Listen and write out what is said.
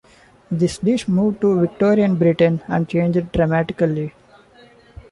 This dish moved to Victorian Britain and changed dramatically.